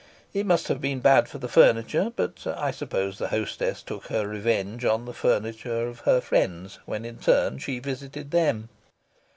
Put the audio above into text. It must have been bad for the furniture, but I suppose the hostess took her revenge on the furniture of her friends when, in turn, she visited them.